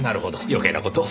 余計な事を。